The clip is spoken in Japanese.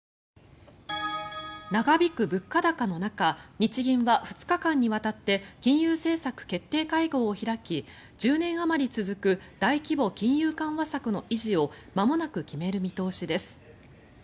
長引く物価高の中日銀は２日間にわたって金融政策決定会合を開き１０年あまり続く大規模金融緩和策の維持をまもなく決める見通しです。